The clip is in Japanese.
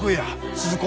鈴子。